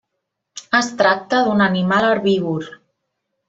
Es tracta d'un animal herbívor.